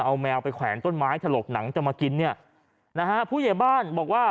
เอาแมวไปแขวนต้นไม้ถลกหนังจะมากินเนี่ยนะฮะผู้ใหญ่บ้านบอกว่า